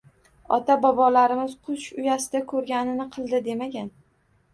Ota -bobolarimiz: "Qush uyasida ko'rganini qildi", demagan